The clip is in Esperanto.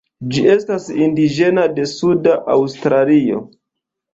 Ĝi estas indiĝena de suda Aŭstralio.